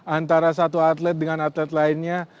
antara satu atlet dengan atlet lainnya